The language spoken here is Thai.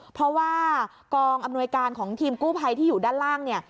เพราะว่ากองอำนวยการของทีมกู้ภัยที่อยู่ด้านล่างเนี่ย